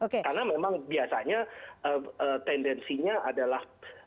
karena memang biasanya tendensinya adalah